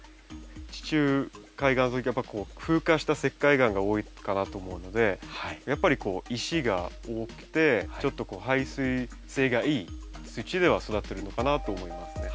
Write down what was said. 地中海やっぱ風化した石灰岩が多いかなと思うのでやっぱりこう石が多くてちょっと排水性がいい土では育ってるのかなと思いますね。